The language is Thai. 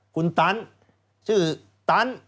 คุณตันชื่อตัน